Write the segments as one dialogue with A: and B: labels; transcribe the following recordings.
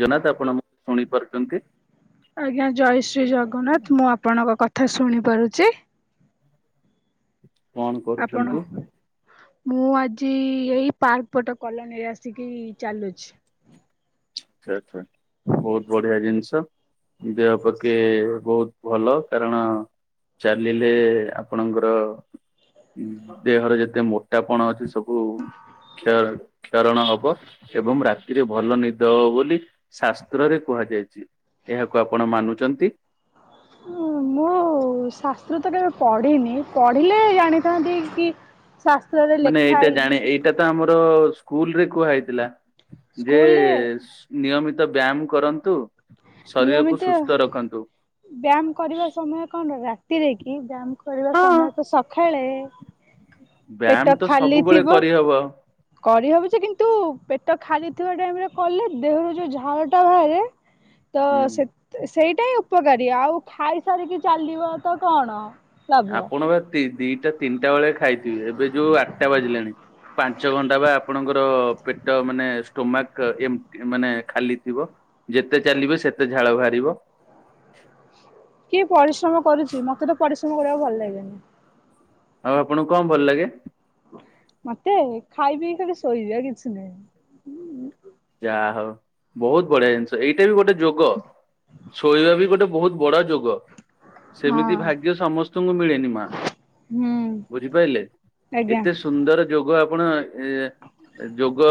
A: ଜନାତ ଆପଣ ମୋ [inaudible] ଶୁଣି ପାରୁଚନ୍ତି?
B: ଆଜ୍ଞା ଜୟ ଶ୍ରୀ ଜଗନ୍ନାଥ ମୁଁ ଆପଣଙ୍କ କଥା ଶୁଣିପାରୁଚି।
A: କଣ
B: ଆପଣ
A: କରୁଛନ୍ତି?
B: ମୁଁ ଆଜି ଏଇ ପାର୍କ ପଟ କଲୋନୀରେ ଆସିକି ଚାଲୁଛି।
A: ଆଚ୍ଛା, ଆଚ୍ଛା ବହୁତ ବଢିଆ ଜିନିଷ। ଦେହ ପକ୍ଷେ ବହୁତ ଭଲ କାରଣ ଚାଲିଲେ ଆପଣଙ୍କର ଉଁ, ଦେହର ଯେତେ ମୋଟାପଣ ଅଛି ସବୁ କୁ କ୍ଷର କ୍ଷରଣ ହବ, ଏବଂ ରାତିରେ ଭଲ ନି ଦ ହବ ବୋଲି ଶାସ୍ତ୍ରରେ କୁହାଯାଇଚି, ଏହାକୁ ଆପଣ ମାନୁଚନ୍ତି?
B: ହଁ ମୁଁ ଉ, ଶାସ୍ତ୍ର ତ କେବେ ପଢିନି, ପଢିଲେ ଜାଣିଥାନ୍ତି କି ଶାସ୍
A: ମାନେ ଏଇଟା ଜାଣେ ଏଇଟା ତ ଆମର ସ୍କୁଲ୍ ରେ କୁହା ହେଇଥିଲା। ଯେ
B: ସ୍କୁଲରେ
A: ସୁ ନିୟମିତ ବ୍ୟାୟାମ କରନ୍ତୁ ଶରୀରକୁୁ
B: ନିୟମିତ
A: ସୁସ୍ଥ ରଖନ୍ତୁ।
B: ବ୍ୟାୟାମ କରିବା ସମୟ କଣ ରାତିରେ କି? ବ୍ୟାୟାମ କରିବା
A: ହଁ
B: ସମୟ ତ ସ ଖାଳେ ପେଟ ଖାଲି ଥିବ
A: ହବ।
B: କରିହବ ଯେ, କିନ୍ତୁ ପେଟ ଖାଲିଥିବା ଟାଇମ୍ ରେ କଲେ ଦେହରୁ ଯୋଉ ଝାଳ ଟା ବାହାରେ ତ
A: ହୁଁ
B: ସେ ତେ-ସେଇଟା ହିଁ ଉପକାରୀ, ଆଉ ଖାଇସାରିକି ଚାଲିବ ତ କଣ ଲାଭ
A: ଆପଣ ବା ତି ଦିଟା ତିନିଟା ବେଳେ ଖାଇଥିବେ, ଏବେ ଯୋଉ ଆଟା ବାଜିଲାଣି, ପାଞ୍ଚ ଘଣ୍ଟା ବା ଆପଣଙ୍କର ପେଟ ମାନେ ଷ୍ଟୋମାକ୍ ଏମ୍ ଏ ମାନେ ଖାଲି ଥିବ। ଯେତେ ଚାଲିବେ ସେତେ ଝାଳ ବାହାରିବ।
B: କିଏ ପରିଶ୍ରମ କରୁଚି, ମୋତେ ତ ପରିଶ୍ରମ କରିବାକୁ ଭଲ ଲାଗେନି।
A: ଆଉ ଆପଣଙ୍କୁ କଣ ଭଲ ଲାଗେ?
B: ମୋତେ ଖାଇ ପିଇ ଖାଲି ଶୋଇବି ଆଉ କିଛି ନାହିଁ।
A: ଯା ହଉ ବହୁତ ବଢିଆ ଜିନିଷ, ଏଇଟା ବି ଗୋଟେ ଯୋଗ। ଶୋଇବା ବି ଗୋଟେ ବହୁତ ବଡ ଯୋଗ। ସେମିତି
B: ହଁ।
A: ଭାଗ୍ୟ ସମସ୍ତଙ୍କୁ ମିଳେନି ମା।
B: ହୁଁ।
A: ବୁଝିପାଇଲେ?
B: ଆଜ୍ଞା
A: ଏତେ ସୁ ସୁନ୍ଦର ଯୋଗ ଆପଣ ଏ ଯୋଗ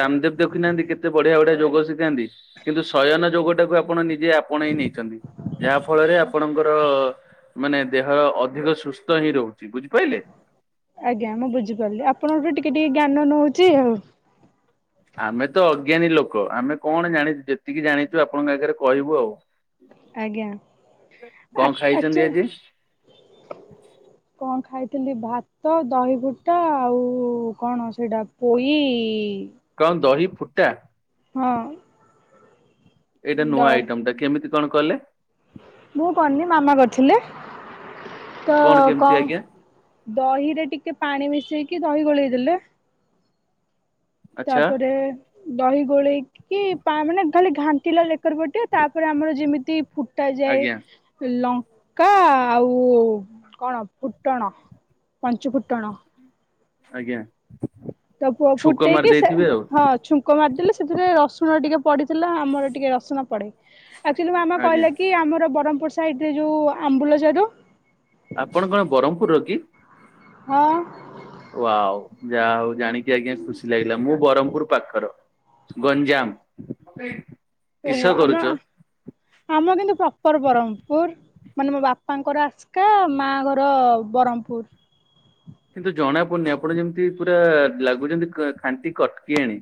A: ରାମଦେବ ଦେଖ ଖି ନାହାନ୍ତି, କେତେ ବଢିଆ ବଢିଆ ଯୋଗ ଶିଖାନ୍ତି, କିନ୍ତୁ ଶୟନ ଯୋଗଟାକୁ ଆପଣ ନିଜେ ଆପଣେଇ ନେଇଛନ୍ତି। ଯାହା ଫଳରେ ଆପଣଙ୍କର ମାନେ ଦେହ ଅଧିକ ସୁସ୍ଥ ହିଁ ରହୁଛି। ବୁଝିପାଇଲେ?
B: ଆଜ୍ଞା ମୁଁ ବୁଝିପାରିଲି। ଆପଣଙ୍କ ଠୁ ଟିକେ ଟିକେ ଜ୍ଞାନ ନଉଛି ଆଉ।
A: ଆମେ ତ ଅଜ୍ଞାନୀ ଲୋକ ଆମେ କଣ ଜାଣିଚୁ? ଯେତିକି ଜାଣିଚୁ ଆପଣଙ୍କ ଆଗରେ କହିବୁ ଆଉ।
B: ଆଜ୍ଞା
A: କଣ
B: ଆଚୁ
A: ଖାଇଛନ୍ତି ଆଜି?
B: କଣ ଖାଇଥିଲି ଭାତ ଦହି ଫୁଟକା ଆଉ କଣ ସେଇଟା ପୋଇ
A: କଣ ଦହି ଫୁଟା?
B: ହଁ।
A: ଏଇଟା
B: ଦ
A: ନୂଆ ଆଇଟମ ଟା କେମିତି କଣ କଲେ?
B: ମୁଁ କନି ମାମା କରିଥିଲେ ତ
A: କଣ କେମିତି
B: କଁ
A: ଆଜ୍ଞା
B: ଦହିରେ ଟିକେ ପାଣି ମିଶେଇକି ଦହି ଗୋଳେଇଦେଲେ।
A: ଆଚ୍ଛା
B: ତାପରେ ଦହି ଗୋଳେଇକି ପା ମାନେ ଖାଲି ଘାଣ୍ଟିଲା ଲେର ପଟେ ତାପରେ ଆମର ଯେମିତି ଫୁଟା
A: ଆଜ୍ଞା
B: ଯାଏ। ଲଙ୍କା ଆଉ କଣ ଫୁଟଣ ପଞ୍ଚୁ ଫୁଟଣ।
A: ଆଜ୍ଞା।
B: ତ ପ
A: ଛୁଙ୍କ
B: ଫୁଟେଇ
A: ମାରି
B: କି ସେ
A: ଦେଇଥିବେ ଆଉ
B: ହଁ ଛୁ କ ମାରିଦେଲେ ସେଥିରେ ରସୁଣ ଟିକେ ପଡିଥିଲା ଆମର ଟିକେ ରସୁଣ ପଡେ। ଆଚୁଲି ମାମା
A: ଆଜ୍ଞା
B: କହିଲା କି ଆମର ବ୍ରହ୍ମପୁର ସାଇଡ ରେ ଯୋଉ ଆମ୍ବୁଲ ଯାର
A: ଆପଣ କଣ ବରମପୁରର କି?
B: ହଁ।
A: ୱାଓ ଯାହା ହଉ ଜାଣିକି ଆଜ୍ଞା ଖୁସି ଲାଗିଲା, ମୁଁ ବ୍ରହ୍ମପୁର ପାଖର। ଗଞ୍ଜାମ। କିସ
B: ଓହୋ ଆମ
A: କରୁଛ?
B: ଆମ କିନ୍ତୁ ପ୍ରପର ବରହମପୁର। ମାନେ ମୋ ବାପାଙ୍କର ଆସକା ମା ଘର ବରହମପୁର।
A: କିନ୍ତୁ ଜଣା ପଡୁନି ଆପଣ ଯେମିତି ପୁରା ଲାଗୁଛନ୍ତି ଖାଣ୍ଟି କଟକି ଆଣି।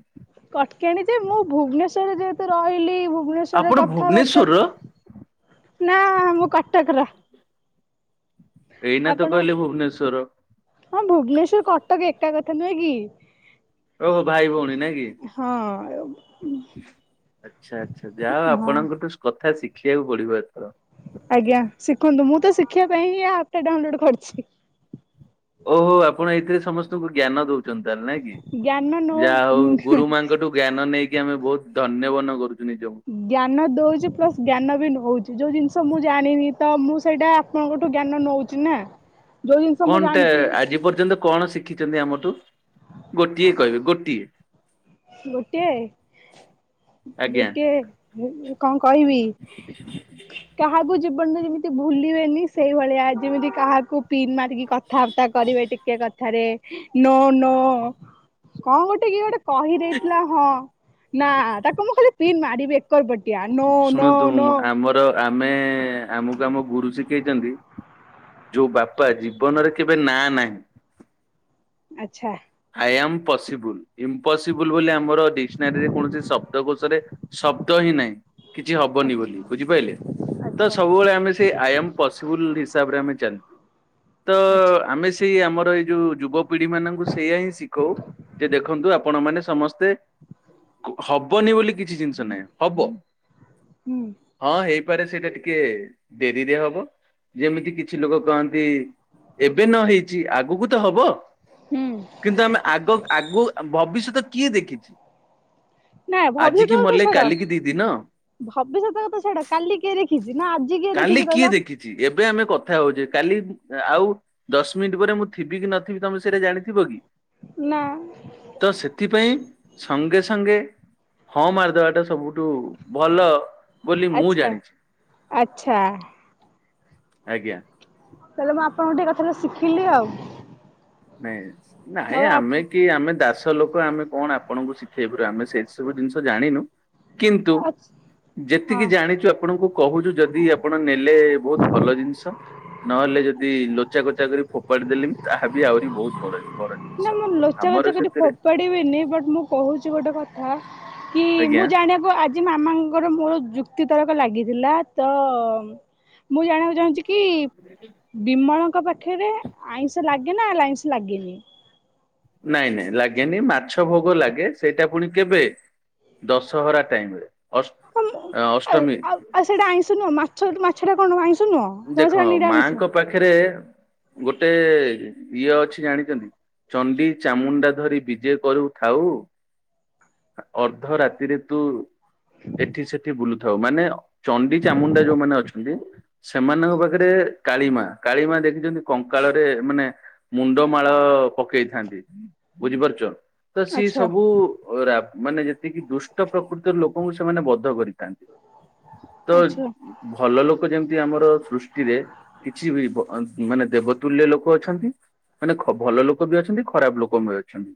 B: କଟକିଆଣିଯେ ମୁଁ ଭୁବନେଶ୍ୱରରେ ଯେହେତୁ ରହିଲି ଭୁବନେଶ୍ଵରେ
A: ଆପଣ
B: କଥାବାର୍ତ୍ତା
A: ଭୁବନେଶ୍ଵରର
B: ନା ମୁଁ କଟକର।
A: ଏଇନା ତ
B: ଆପଣ
A: କହିଲେ ଭୁବନେଶ୍ଵର।
B: ହଁ ଭୁବନେଶ୍ୱର କଟକ ଏକା କଥା ନୁହେଁ କି।
A: ଓହୋ ଭାଇ ଭଉଣୀ ନାଇଁ କି?
B: ହଁ।
A: ଆଚ୍ଛା ଆଚ୍ଛା ଯାହଉ
B: ହଁ।
A: ଆପଣଙ୍କଠୁ କଥା ଶିଖିବାକୁ ପଡିବ ଏଥର।
B: ଆଜ୍ଞା ଶିଖନ୍ତୁ ମୁଁ ତ ଶିଖିବା ପାଇଁ ହିଁ ଆପ୍ ଟା ଡାଉନଲୋଡ୍ କରିଛି।
A: ଓହୋ ଆପଣ ଏଇଥିରେ ସମସ୍ତଙ୍କୁ ଜ୍ଞାନ ଦଉଛନ୍ତି ତାଲେ ନାଇ କି
B: ଜ୍ଞାନ ନଉ
A: ଯାହା ହଉ ଗୁରୁ ମାଙ୍କଠୁ ଜ୍ଞାନ ନେଇକି ଆମେ ବହୁତ ଧନ୍ୟ ମନେ କରୁଛୁ ନିଜକୁ।
B: ଜ୍ଞାନ ଦୋଉଛି ପ୍ଲସ୍ ଜ୍ଞାନ ବି ନୋଉଛି ଯୋଉ ଜିନିଷ ମୁଁ ଜାଣିନି ତ ମୁଁ ସେଇଟା ଆପଣଙ୍କଠୁ ଜ୍ଞାନ ନୋଉଛି ନା। ଯୋଉ ଜିନିଷ ମୁଁ
A: କଣ ଟା
B: ଜାଣିଛି
A: ଆଜି ପର୍ଯ୍ୟନ୍ତ କଣ ଶିଖିଛନ୍ତି ଆମଠୁ, ଗୋଟିଏ କହିବେ ଗୋଟିଏ।
B: ଗୋଟିଏ।
A: ଆଜ୍ଞା
B: ଗୋଟିଏ କଁ କହିବି? କାହାକୁ ଜୀବନରେ ଯେମିତି ଭୁଲିବେନି ସେଇଭଳିଆ ଯେମିତି କାହାକୁ ପିନ୍ ମାରିକି କଥାବାର୍ତ୍ତା କରିବେ ଟିକେ କଥାରେ ନୋ ନୋ କଣ ଗୋଟେ କି ଗୋଟେ କହିଦେଇଥିଲା ହଁ ନା ତାକୁ ମୁଁ ଖାଲି ପିନ ମାରିବି ଏକର ବ କ୍ୟା ନୋ ନୋ
A: ଶୁଣନ୍ତୁ
B: ନୋ।
A: ଆମର ଆମେ ଆମକୁ ଆମ ଗୁରୁ ଶିଖେଇଚନ୍ତି ଯୋଉ ବାପା ଜୀବନରେ କେବେ ନା ନାହିଁ।
B: ଆଛା।
A: ଆଇ ଆମ ପସିବୁଲ ଇମ୍ପସିବୁଲ ବୋଲି ଆମର ଡିସନାରୀରେ କୌଣସି ଶବ୍ଦ କୋଷରେ ଶବ୍ଦ ହିଁ ନାହିଁ, କିଛି ହବନି ବୋଲି ବୁଝିପାଇଲେ? ତ
B: ଆଚ୍ଛା
A: ସବୁବେଳେ ଆମେ ସେଇ ଆଇ ଆମ ପସିବୁଲ ହିସାବରେ ଆମେ ଚାଲୁ ତ
B: ଆଚ୍ଛା
A: ଆମେ ଏଇ ଆମର ଏଇ ଯୋଉ ଯୁବ ପିଢି ମାନଙ୍କୁ ସି ସେଇଆ ହିଁ ଶିଖୋଉ। ଯେ ଦେଖନ୍ତୁ ଆପଣ ମାନେ ସମସ୍ତେ ହବନି ବୋଲି କିଛି ଜିନିଷ ନାହିଁ ହବ
B: ହୁଁ।
A: ହଁ ହେଇପାରେ ସେଇଟା ଟିକେ ଡେରିରେ ହବ ଯେମିତି କିଛି ଲୋକ କହନ୍ତି ଏବେ ନ ହେଇଛି ଆଗକୁ ତ ହବ।
B: ହୁଁ
A: କିନ୍ତୁ ଆମେ ଆଗ ଆଗୁ ଭବିଷ୍ୟତ କିଏ ଦେଖିଚି
B: ନାଇଁ
A: ଆଜ
B: ଭବିଷ୍ୟତ
A: କିି
B: କଥା
A: ମଲେ
B: ଛାଡ
A: କାଲିକି ଦିଦିନ
B: ଭବିଷ୍ୟତ କଥା ଛାଡ଼ କାଲି କିଏ ଦେଖିଚି ନା ଆ
A: କାଲି କିଏ ଦେଖିଚି ଏବେ ଆମେ କଥା ହଉଛେ କାଲି ଆଉ ଦଶ ମିନିଟ୍ ପରେ ମୁଁ ଥିବି କି ନଥିବି ତମେ ସେଇଟା ଜାଣିଥିବ କି?
B: ନା।
A: ତ ସେଥିପାଇଁ ସଙ୍ଗେ ସଙ୍ଗେ ହଁ ମାରିଦେବା ଟା ସବୁଠୁ ଭଲ ବୋଲି ମୁଁ
B: ଆଚ୍ଛା
A: ଜାଣିଚି।
B: ଆଚ୍ଛା।
A: ଆଜ୍ଞା।
B: ତାହେଲେ ମୁଁ ଆପଣଙ୍କଙ୍କୁ ଟିକେ କଥାଟା ଶିଖିଲି ଆଉ।
A: ନାଇଁ ନାଇଁ
B: ଆଉ
A: ଆମେ କି ଆମେ ଦାସ ଲୋକ ଆମେ କଣ ଆପଣଙ୍କୁ ଶିଖେଇବାରୁ ଆମେ ସେଇ ସବୁ ଜିନିଷ ଜାଣିନୁ କିନ୍ତୁ ଯେତିକି
B: ହଁ
A: ଜାଣିଚୁ ଆପଣଙ୍କୁ କହୁଚୁ ଯଦି ଆପ ଆପଣ ନେଲେ ବହୁତ ଭଲ ଜିନିଷ ନହେଲେ ଯଦି ଲୋଚା କୋଚା କରି ଫୋପାଡି ଦେଲେବି ତାହା ବି ଆହୁରି ବହୁତ [unintelligible]
B: ନା ମୁଁ ଲୋଚା
A: ଆମର
B: କୋଚା କରି ଫୋ
A: ସେଥିରେ
B: ପଡ଼ିବିନି ବଟ୍ ମୁଁ କହୁଚି ଗୋଟେ କଥା କି
A: ଆଜ୍ଞା
B: ମୁଁ ଜାଣିବାକୁ ଆ ଆ ମାମାଙ୍କର ମୋର ଯୁକ୍ତି ତରକ ଲାଗିଥିଲା ତ ମୁଁ ଜାଣିବାକୁ ଚାହୁଁଛି କି ବିମଳଙ୍କ ପାଖରେ ଆଇଁଷ ଲାଗେ ନା ଲାଇଁସ ଲାଗେନି?
A: ନାଇଁ ନାଇଁ ଲାଗେନି ମାଛ ଭୋଗ ଲାଗେ ସେଇଟା ପୁଣି କେବେ ଦଶହରା ଟାଇମ୍ ରେ। ଅଷ୍ଟ ଏ
B: ଆଉ
A: ଅଷ୍ଟମୀ
B: ଆଉ ସେଟା ଆଇଁଷ ନୁହଁ ମାଛ ମାଛ ଟା କଣ ଆଇଷ
A: ଦେଖ ମାଙ୍କ ପାଖରେ ଗୋଟେ ଇଏ ଅଛି ଜାଣିଚନ୍ତି ଚଣ୍ଡି ଚାମୁଣ୍ଡା ଧରି ବିଜେ କରୁଥାଉ ଅର୍ଦ୍ଧ ରାତିରେ ତୁ ଏଠି ସେଠି ବୁଲୁଥାଉ ମାନେ ଅ ଚଣ୍ଡି ଚାମୁଣ୍ଡା ଯୋଉମାନେେ ଅଛନ୍ତି ସେମାନଙ୍କ ପାଖରେ କାଳୀ ମା କାଳୀ ମା ଦେଖିଛନ୍ତି କଙ୍କାଳରେ ମାନେ ମୁଣ୍ଡ ମାଳ ପକେଇଥାନ୍ତି ବୁଝିପାରୁଚ ତ ସିଏ
B: ଆଚ୍ଛା
A: ସବୁ ରା ମାନେ ଯେତିକି ଦୁଷ୍ଟ ପ୍ରକୃତିର ଲୋକଙ୍କୁ ସେମାନେ ବଧ କରି ଥାନ୍ତି ତ
B: ଆଚ୍ଛା
A: ଭଲ ଲୋକ ଯେମିତି ଆମର ସୃଷ୍ଟିରେ କିଛି ବି ବ ମାନେ ଦେବତୁଲ୍ୟ ଲୋକ ଅଛନ୍ତି ମାନେ ଖ ଭଲ ଲୋକ ବି ଅଛନ୍ତି ଖରାପ ଲୋକ ବି ଅଛନ୍ତି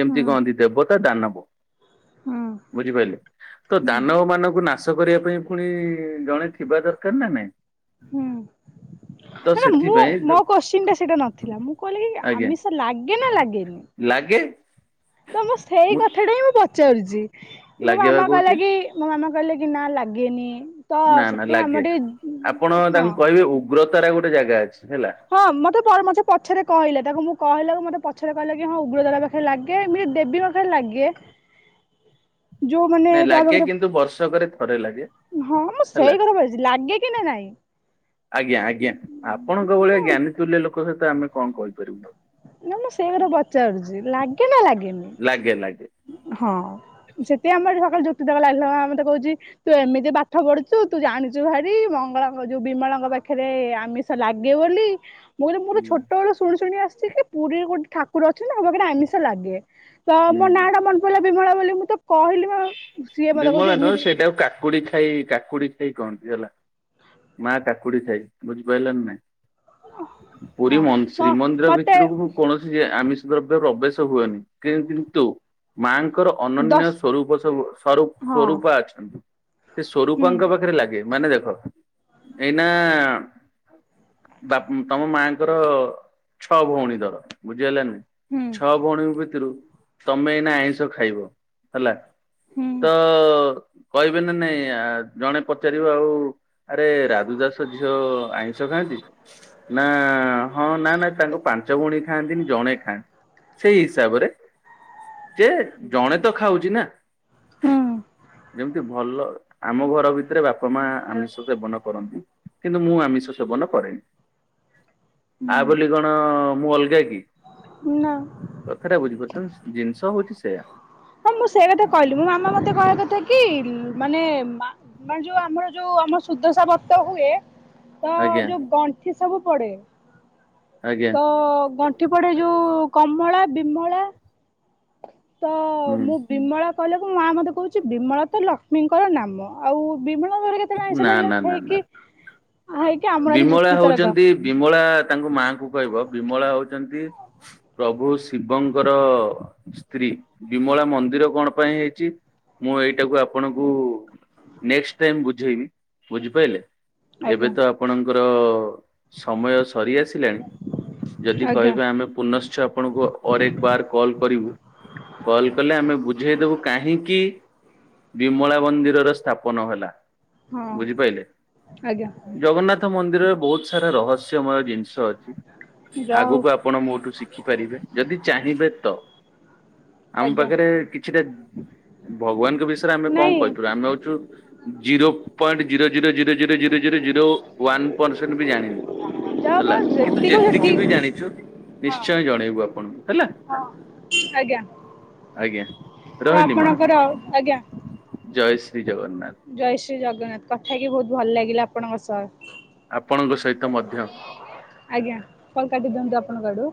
A: ଯେମିତି
B: ହୁଁ
A: କହନ୍ତି ଦେବତା ଦାନବ
B: ହୁଁ
A: ବୁଝିପାରିଲେ ତ
B: ହୁଁ
A: ଦାନ ମାନଙ୍କୁ ନା ନାଷ କରିବା ପାଇଁ ଫୁଣି ଜଣେ ଥିବା ଦରକାର ନା ନାଇଁ
B: ହୁଁ
A: ତ
B: ମାନେ ମୁଁ
A: ସେଥିପାଇଁ
B: ମୋ କୋଶ୍ଚିିନ ଟା ସେଇଟା ନଥିଲା ମୁଁ କହିଲି କି
A: ଆଜ୍ଞା
B: ଆମିଷ ଲାଗେ ନା ଲାଗେନି?
A: ଲାଗେ
B: ତ ମୁ ସେଇ
A: ମୁଁ
B: କଥାଟା ହିଁ ମୁଁ ପଚାରୁଛି ମୋ
A: ଲାଗେ ବା
B: ମାମା
A: କହୁଛି
B: କହିଲା କି। ମୋ ମାମା କହିଲେ କି ନା ଲାଗେନି। ତ
A: ନା ନା
B: ସେଥିପାଇଁ
A: ଲାଗେ
B: ଆମର
A: ଆପଣ
B: ଟିକେ ହଁ
A: ତାଙ୍କୁ କହିବେ ଉଗ୍ରତାର ଗୋଟେ ଜାଗା ଅଛି ହେଲା।
B: ହଁ ମତେ ପରେ ମତେ ସେ ପଛରେ କହିଲେ ତାକୁ ମୁଁ କହିଲାକୁ ମତେ ପଛରେ କହିଲେ କି ହଁ ଉଗ୍ର ତାରା ପା ଖେରେ ଲାଗେ ଏମିତି ଦେବୀଙ୍କ ପାଖେ ଲାଗେ। ଯୋଉମାନେ
A: ନାଇଁ
B: ଯାହା
A: ଲାଗେ
B: ପାଖରେ
A: କିନ୍ତୁ ବର୍ଷକରେ ଥରେ ଲାଗେ
B: ହଁ ମୁଁ
A: ହେଲା
B: ସେଇ କଥା ଭାବଛି ଲାଗେ କି ନା ନାଇଁ।
A: ଆଜ୍ଞା ଆଜ୍ଞା ଆପଣଙ୍କ ଭଳିଆ
B: ମୁଁ
A: ଜ୍ଞାନୀତୁଲ୍ୟ ଲୋକ ସହିତ ଆମେ କଁ କହିପାରିବୁ।
B: ନା ମୁଁ ସେଇ ଘରେ ପଚାରୁଛି ଲାଗେ ନା ଲାଗେନି।
A: ଲାଗେ ଲାଗେ।
B: ହଁ ସେତିି ପାଇଁ ଆମର ସକାଳେ ଯୁକ୍ତି ତର୍କ ଲାଗିଲା ମାତା ମତେ କହୁଛି। ତୁ ଏମିତି ପାଠ ପଢୁଛୁ ତୁ ଜାଣିଛୁ ଭାରି ମଙ୍ଗଳା ଙ୍କ ଯୋଉ ବିମଳାଙ୍କ ପାଖରେ ଆମିଷ। ସ ଲାଗେ ବୋଲି। ମୁଁ କଇଲି ମୁଁ ବି
A: ହୁଁ
B: ଛୋଟ ବେଳୁ ଶୁଣି ଶୁଣି ଆସିଚି କି ପୁରୀରେ ଗୋଟେ ଠାକୁର ଅଛନ୍ତି ତାଙ୍କ ପାଖରେ ଆମିଷ ଲାଗେ।
A: ହୁଁ।
B: ମୋର ନାଁଟା ମନ ପଡ଼ିଲା ବିମଳା ବୋଲି ମୁଁ ତ କହିଲି ମା
A: ବିମଳା ନୁହେଁ ସେଇଟା କୁ କାକୁଡି ଖାଇ କାକୁଡି ଖାଇ କହନ୍ତି ହେଲା ମା କା ଖୁଡି ଖାଇ ବୁଝି ପାଇଲ ନା ନାଇଁ ପୁରୀ
B: ହଁ
A: ମ ଶ୍ରୀ ମନ୍ଦିର
B: ମତେ
A: ଭିତରକୁ କୌଣସି। ଆମିଷ ଦ୍ରବ୍ୟ ପ୍ରବେଶ ହୁଏନି କି କିନ୍ତୁ। ମାଙ୍କର ଅନନ୍ୟ
B: ଦଶ
A: ସ୍ଵରୂପ ସବୁ ସରୂପ
B: ହଁ
A: ସ୍ୱରୁପା ଅଛନ୍ତି ସେ
B: ହୁଁ
A: ସ୍ୱରୂପା ଙ୍କ। ପାଖରେ ଲାଗେ ମାନେ ଦେଖ ଏଇନା। ବାପ୍ ତମ ମାଆଙ୍କ ର ଛଅ ଭଉଣୀ ଧର ବୁଝିହେଲା ନା ନାଇଁ।
B: ହୁଁ।
A: ଛଅ ଭଉଣୀଙ୍କ ଭିତରୁ ତମେ ଏଇନା ଆଇଁଷ ଖାଇବ ହେଲା।
B: ହୁଁ।
A: ତ କହିବେ ନା ନାଇଁ ଆ ଜଣେ ପଚାରିବ ଆଉ। ଆରେ ରାଧୁ ଦାସ ଝିଅ ଆଇଁଷ ଖାଆନ୍ତି। ନା ହଁ ନା ନା ତାଙ୍କ ପାଞ୍ଚ ଭଉଣୀ ଖାଆନ୍ତିନି ଜଣେ ଖାଆନ୍ତି। ସେଇ ହିସାବରେ ଯେ ଜଣେ ତ ଖାଉଛି ନା।
B: ହୁଁ।
A: ଯେମିତି ଭଲ ଆମ ଘର ଭିତରେ ବାପା ମା ଆମିଷ ସେବନ କରନ୍ତି। କିନ୍ତୁ ମୁଁ ଆମିଷ ସେବନ କରେନି ଆ ବୋଲି କଣ ମୁଁ ଅଲଗା କି।
B: ନା।
A: କଥାଟା ବୁଝି ପାରୁଛନ୍ତି ଜିନିଷ ହଉଛି ସେୟା।
B: ହଁ ମୁଁ ସେଇ କଥା କହିଲି ମୋ ମାମା ମତେ କହିବା କଥା କି ମାନେ ମା ମାନେ ଯୋଉ ଆମର ଯୋଉ ଆମର ସୁଦଶା ବ୍ରତ ହୁଏ ତ
A: ଆଜ୍ଞା
B: ଯୋଉ ଗ ଣ୍ଠି ସବୁ ପଡେ
A: ଆଜ୍ଞା
B: ତ ଗ ଣ୍ଠି ପଡେ ଯୋଉ କମଳା ବିମଳା। ତ
A: ହୁଁ
B: ମୁଁ ବିମଳା କହିଲାରୁ ମା ମତେ କହୁଛି ବିମଳା ତ ଲକ୍ଷ୍ମୀଙ୍କର ନାମ। ଆଉ ବିମଳ ପାଖରେ କେତେବେଳେ ଆଇଁଷ
A: ନା
B: ଲାଗିଲା
A: ନା ନା ନା
B: ହେଇକି। ହେଇକି ଆମର ଆଜି
A: ବିମଳା
B: ଯୁକ୍ତି ତରକ
A: ହଉଛନ୍ତି ବିମଳା ତାଙ୍କ ମାଙ୍କୁ କହିବ ବିମଳା ହଉଛନ୍ତି। ପ୍ରଭୁ ଶିବଙ୍କର। ସ୍ତ୍ରୀ ବିମଳା ମନ୍ଦିର କଣ ପାଇଁ ହେଇଛି ମୁଁ ଏଇଟାକୁ ଆପଣଙ୍କୁ। ନେକ୍ସଟ୍ ଟାଇମ ବୁଝେଇବି। ବୁଝିପାଇଲେ ଏବେ
B: ଆଜ୍ଞା
A: ତ ଆପଣଙ୍କର ସମୟ। ସରି ଆସିଲାଣି ଯଦି
B: ଆଜ୍ଞା
A: କହିବାେ ଆମେ ପୁନଶ୍ଚ ଆପଣଙ୍କୁ ଅର ଏକ ବାର କଲ୍ କରିବୁ। କଲ୍ କଲେ ଆମେ ବୁଝେଇଦବୁ କାହିଁକି ବିମଳା ମନ୍ଦିରର ସ୍ଥାପନ ହେଲା। ବୁଝିପାଇଲେ
B: ହଁ ଆଜ୍ଞା
A: ଜଗନ୍ନାଥ ମନ୍ଦିରରେ ବହୁତ ସାରା ରହସ୍ୟମୟ ଜିନିଷ ଅଛି
B: ଯାହା ହଉ
A: ଆଗକୁ ଆପଣ ମୋଠୁ ଶିଖିପାରିବେ ଯଦି ଚାହିଁବେ ତ। ଆମ
B: ଆଜ୍ଞା
A: ପାଖରେ କିଛିଟା ଭଗବାନଙ୍କ ବିଷୟରେ ଆମେ କଣ
B: ନାଇଁ
A: କହିବା ଆମେ ହଉଛୁ zero point zero zero zero zero zero zero zero one percent ବି ଜାଣିନୂ।
B: ଯାହା
A: ହେଲା
B: ଆପଣ
A: କିନ୍ତୁ ଯେତିକି ବି
B: ସେତିକି
A: ଜାଣିଛୁ
B: ହଁ
A: ନିଶ୍ଚୟ ଜଣେଇବୁ ଆପଣଙ୍କୁ ହେଲ?
B: ହଁ ଆଜ୍ଞା
A: ଆଜ୍ଞା
B: ତ
A: ରହିଲି ମା
B: ଆପଣଙ୍କର ଆଜ୍ଞା।
A: ଜୟ ଶ୍ରୀ ଜଗନ୍ନାଥ।
B: ଜୟ ଶ୍ରୀ ଜଗନ୍ନାଥ କଥା ହେଇକି ବହୁତ ଭଲ ଲାଗିଲା ଆପଣଙ୍କ ସହ।
A: ଆପଣଙ୍କ ସହିତ ମଧ୍ୟ
B: ଆଜ୍ଞା କଲ କାଟି ଦିଅନ୍ତୁ ଆପଣଙ୍କ ଆଡୁ।